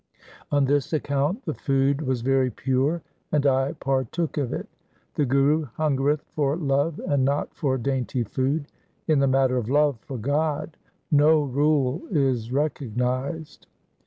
On this account the food was very pure, and I partook of it. The Guru hungereth for love and not for dainty food. In the matter of love for God no rule is recognized.